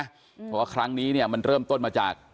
เพราะว่าครั้งนี้เริ่มต้นมาจาก